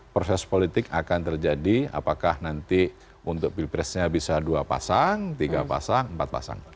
proses politik akan terjadi apakah nanti untuk pilpresnya bisa dua pasang tiga pasang empat pasang